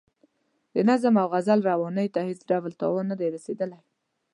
د نظم او غزل روانۍ ته هېڅ ډول تاوان نه دی رسیدلی.